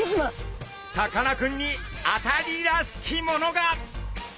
さかなクンに当たりらしきものが！